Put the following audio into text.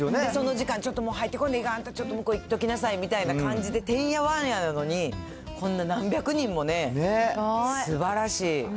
その時間、ちょっともう入ってこないで、向こう行っときなさいみたいな感じでてんやわんやなのに、こんな何百人もね、すばらしい。